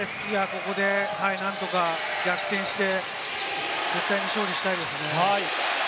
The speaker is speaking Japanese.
ここで何とか逆転して、絶対に勝利したいですね。